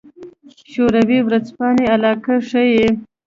شوروي ورځپاڼې علاقه ښيي.